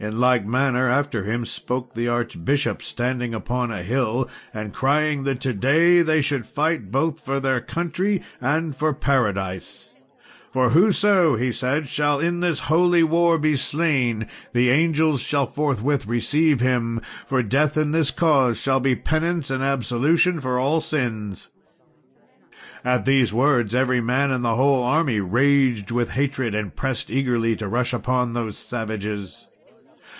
In like manner after him spoke the archbishop, standing upon a hill, and crying that to day they should fight both for their country and for Paradise, "For whoso," he said, "shall in this holy war be slain, the angels shall forthwith receive him; for death in this cause shall be penance and absolution for all sins." At these words every man in the whole army raged with hatred, and pressed eagerly to rush upon those savages.